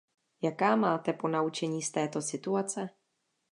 Jaká máte ponaučení z této situace?